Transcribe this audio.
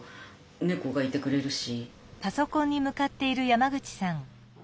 猫がいてくれるし。